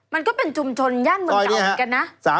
มันก็เป็นชุมชนย่านเมืองเก่าเหมือนกันนะ